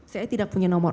saya tidak punya nomor